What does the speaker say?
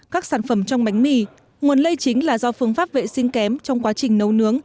các sản phẩm trong bánh mì nguồn lây chính là do phương pháp vệ sinh kém trong quá trình nấu nướng